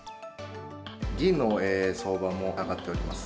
銀の相場も上がっております。